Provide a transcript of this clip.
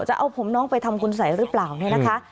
จะเอาผมน้องไปทำคุณสัยหรือเปล่าเนี่ยนะคะ